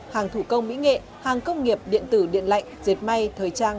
hàng thủ công mỹ nghệ hàng công nghiệp điện tử điện lạnh dệt may thời trang